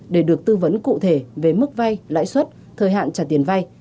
để được tư vấn cụ thể về mức vay lãi suất thời hạn trả tiền vay